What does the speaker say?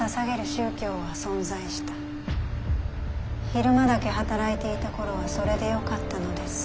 昼間だけ働いていた頃はそれでよかったのです。